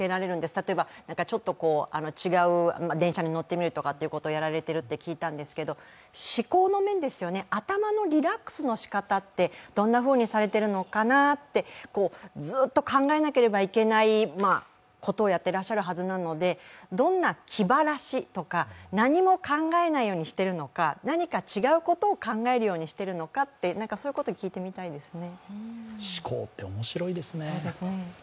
例えばちょっと違う電車に乗ってみるとかやられてると聞いたんですが思考の面、頭のリラックスのしかたって、どんなふうにされているのかなってずっと考えなければいけないことをやってらっしゃるはずなのでどんな気晴らしとか、何も考えないようにしているのか、何か違うことを考えるようにしているのか、そういうことを聞いてみたいですね。